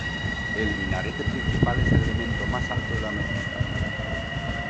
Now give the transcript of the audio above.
El minarete principal es el elemento más alto de la mezquita.